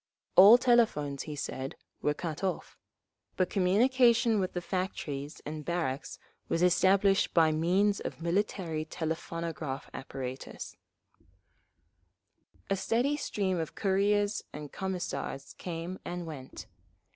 '" All telephones, he said, were cut off: but communication with the factories and barracks was established by means of military telephonograph apparatus…. A steady stream of couriers and Commissars came and went.